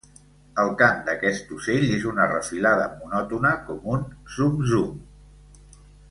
El cant d'aquest ocell és una refilada monòtona com un zum-zum.